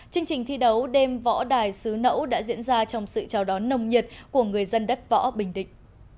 chương trình thi đấu đêm võ đài xứ nẫu đã diễn ra trong sự chào đón nồng nhiệt của người dân đất võ bình định